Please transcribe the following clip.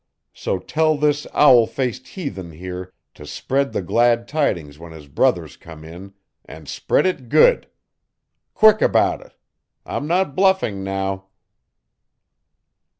So tell this owl faced heathen here to spread the glad tidings when his brothers come in and spread it good. Quick about it! I'm not bluffing now."